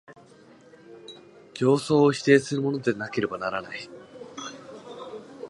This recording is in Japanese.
形相を否定するものでなければならない。